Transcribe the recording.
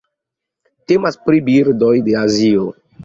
Temas pri birdoj de Azio.